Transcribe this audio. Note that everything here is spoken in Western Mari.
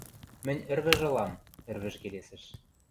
— Мӹнь ӹрвӹж ылам, — ӹрвӹж келесӹш.